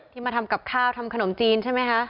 มาทำกับข้าวทำขนมจีนใช่ไหมคะ